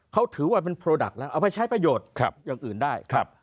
เขาถือว่าเป็นโปรดักต์แล้วเอาไปใช้ประโยชน์อย่างอื่นได้